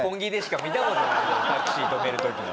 タクシー止める時の。